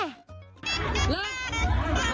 เล็กมาเลยมา